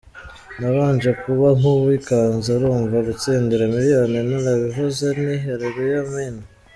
Nabanje kuba nk’uwikanze urumva gutsindira miliyoni, narabivuze nti Haleluya Amina.